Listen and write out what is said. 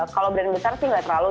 kalau brand besar sih nggak terlalu